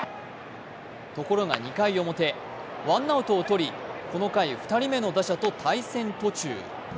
ところが２回表、ワンアウトをとりこの回、２人目の打者と対戦途中。